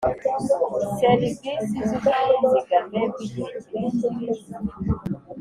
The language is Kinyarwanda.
serivisi z ubwizigame bw igihe kirekire